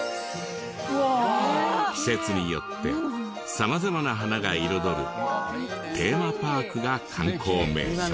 季節によって様々な花が彩るテーマパークが観光名所。